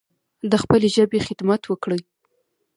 د خپلې ژبې خدمت وکړﺉ